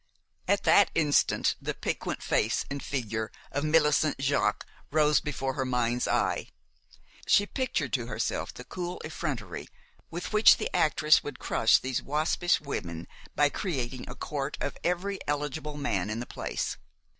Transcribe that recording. At that instant the piquant face and figure of Millicent Jaques rose before her mind's eye. She pictured to herself the cool effrontery with which the actress would crush these waspish women by creating a court of every eligible man in the place.